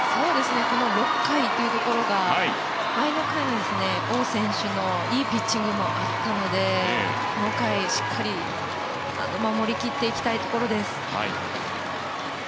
６回というところが、前の回に王選手のいいピッチングもあったのでこの回、しっかり守り切っていきたいところです。